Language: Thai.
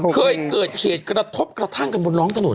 เคยเกิดเหตุกระทบกระทั่งกันบนท้องถนน